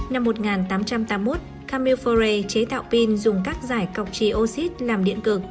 năm một nghìn tám trăm tám mươi một camille faure chế tạo pin dùng các dải cọc trì oxy làm điện cực